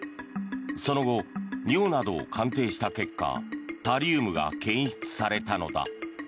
その後、尿などを鑑定した結果タリウムが検出されたのだ。